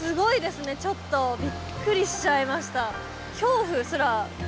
ちょっとびっくりしちゃいました。